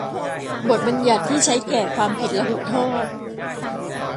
บทบัญญัติที่ใช้แก่ความผิดลหุโทษ